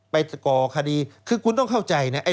ไปก่อคดีคือคุณต้องเข้าใจเนี่ย